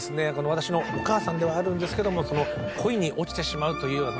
私のお母さんではあるんですけども恋に落ちてしまうという。